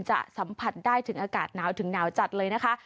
สัมผัสได้ถึงอากาศหนาวถึงหนาวจัดเลยนะคะ